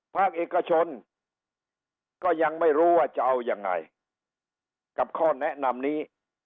ภาคเอกชนก็ยังไม่รู้ว่าจะเอายังไงกับข้อแนะนำนี้